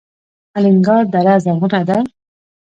الینګار دره زرغونه ده؟